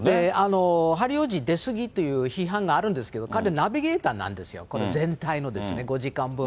ハリー王子、出過ぎっていう批判があるんですけど、彼、ナビゲーターなんですよ、これ、全体の、５時間分。